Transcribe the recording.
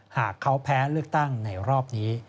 หากเขาแพ้เลือกตั้งในรอบนี้